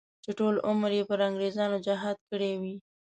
چې ټول عمر یې پر انګریزانو جهاد کړی وي.